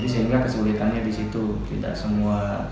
sehingga kesulitannya disitu